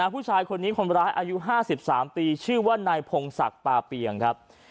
ผู้ชายคนนี้คนร้ายอายุ๕๓ปีชื่อว่านายพงศักดิ์ปาเปียงครับ